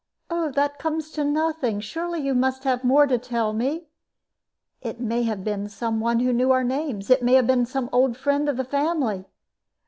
Oh, that comes to nothing. Surely you must have more to tell me? It may have been some one who knew our names. It may have been some old friend of the family."